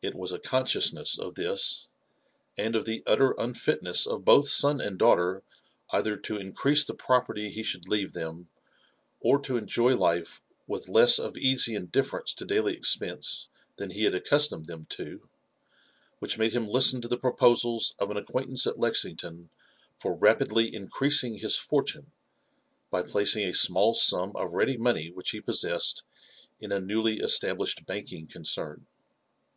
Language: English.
It was a consciousness of this, and of the utter unfitness of both son and daughter either to increase the property he should leave them, or to enjoy life with less of easy indifference to dally expense than ne had accustomed them to, which made him listen to the proposals of an acquaintance at Lexington for rapidly increasing his fortune by placing a small sum of ready money which he possessed in a newly established banking concern.